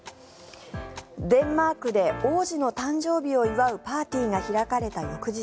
デンマークで王子の誕生日を祝うパーティーが開かれた翌日